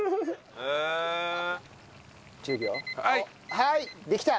はいできた！